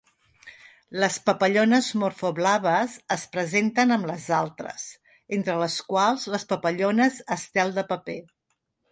Les papallones morpho blaves es presenten amb les altres, entre les quals les papallones estel de paper.